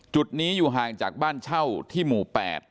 จุดนี้อยู่ห่างจากบ้านเช่าที่หมู่๘